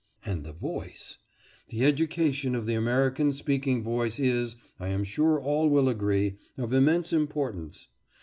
And the voice! The education of the American speaking voice is, I am sure all will agree, of immense importance.